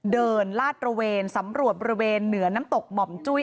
ลาดตระเวนสำรวจบริเวณเหนือน้ำตกหม่อมจุ้ย